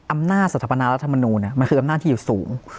อำนาจสัตว์ภาณารัฐธรรมนูญมันคืออำนาจที่อยู่สูง